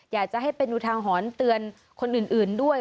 อยากจะให้เป็นอุทาหรณ์เตือนคนอื่นด้วย